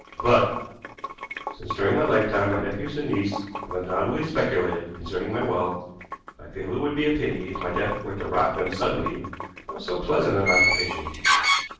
But, since during my lifetime my nephews and niece have undoubtedly speculated concerning my wealth, I feel it would be a pity if my death were to rob them suddenly of so pleasant an occupation.